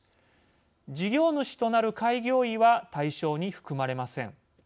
事業主となる開業医は対象に含まれません。